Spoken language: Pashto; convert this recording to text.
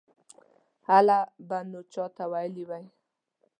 هله به نو چا ویلي وای.